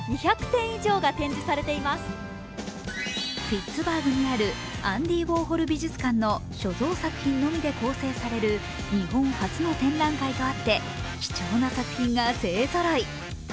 ピッツバーグにあるアンディ・ウォーホル美術館の所蔵作品のみで構成される日本初の展覧会とあって、貴重な作品が勢ぞろい。